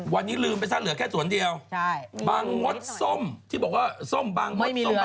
วันนี้ลืมไปซะเหลือแค่สวนเดียวบางมดส้มที่บอกว่าส้มบางมดส้มบาง